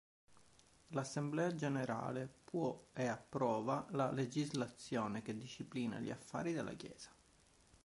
L'Assemblea generale può e approva la legislazione che disciplina gli affari della Chiesa.